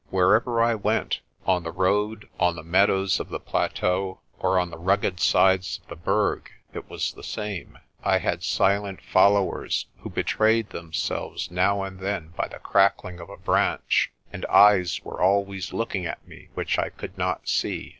Wherever I went on the road, on the meadows of the plateau, or on the rugged sides of the Berg it was the same. I had silent BLAAUWILDEBEESTEFONTEIN 5 1 followers, who betrayed themselves now and then by the crackling of a branch, and eyes were always looking at me which I could not see.